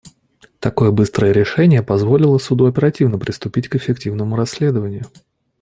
Такое быстрое решение позволило Суду оперативно приступить к эффективному расследованию.